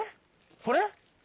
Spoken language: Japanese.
これ？